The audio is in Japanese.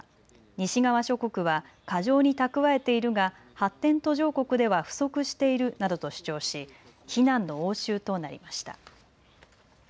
西側諸国は過剰に蓄えているが発展途上国では不足しているなどと主張し非難の応酬となりました。